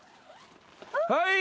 はい。